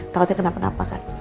takutnya kenapa kenapa kan